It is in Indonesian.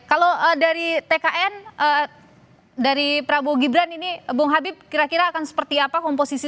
kalau dari tkn dari prabowo gibran ini bung habib kira kira akan seperti apa komposisi